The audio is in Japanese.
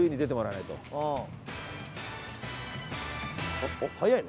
あっ早いな。